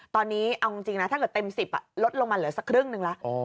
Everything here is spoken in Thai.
ตอนนี้เอาจริงนะถ้าเกิดเต็ม๑๐ลดลงมาเหลือสักครึ่งหนึ่งแล้ว